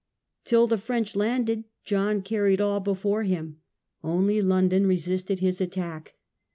Till the French landed John carried all before him; only London resisted his attack.